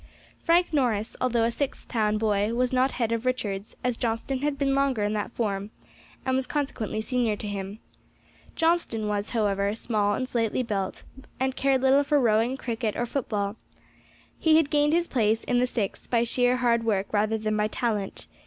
Frank Norris, although a Sixth town boy, was not head of Richards', as Johnstone had been longer in that form, and was consequently senior to him. Johnstone was, however, small and slightly built, and cared little for rowing, cricket, or football. He had gained his place in the Sixth by sheer hard work rather than by talent.